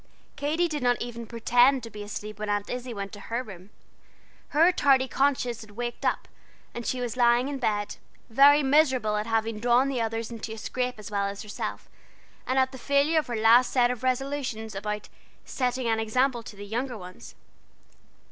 Katy did not even pretend to be asleep when Aunt Izzie went to her room. Her tardy conscience had waked up, and she was lying in bed, very miserable at having drawn the others into a scrape as well as herself, and at the failure of her last set of resolutions about "setting an example to the younger ones."